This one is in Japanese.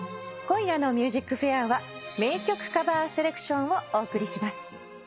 今夜の『ＭＵＳＩＣＦＡＩＲ』は名曲カバーセレクションをお送りします。